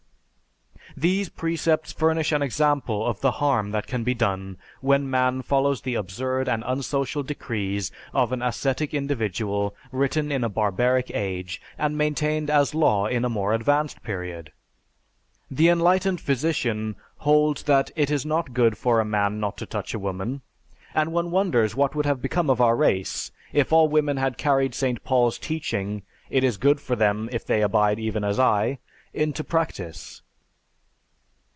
These precepts furnish an example of the harm that can be done when man follows the absurd and unsocial decrees of an ascetic individual written in a barbaric age and maintained as law in a more advanced period. The enlightened physician holds that it is not good for a man not to touch a woman; and one wonders what would have become of our race if all women had carried St. Paul's teaching, "It is good for them if they abide even as I," into practice.